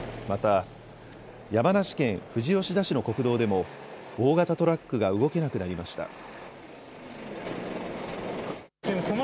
また、山梨県富士吉田市の国道でも大型トラックが動けなくなりました。